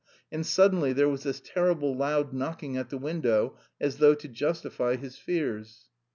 And suddenly there was this terrible loud knocking at the window as though to justify his fears.